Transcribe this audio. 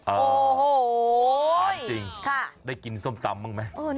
โอ้โหทานจริงได้กินส้มตำบ้างไหม